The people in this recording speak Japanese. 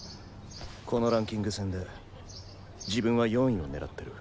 このランキング戦で自分は４位を狙ってる。